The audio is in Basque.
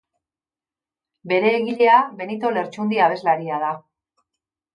Bere egilea Benito Lertxundi abeslaria da.